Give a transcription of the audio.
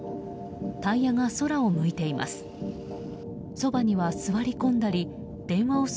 タイヤが空を向いています。